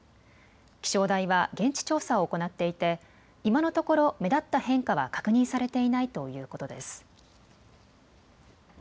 気象台は現地調査を行っていて今のところ目立った変化は確認されていないということです。